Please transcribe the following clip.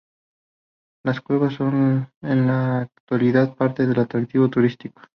Las cuevas son en la actualidad parte del atractivo turístico.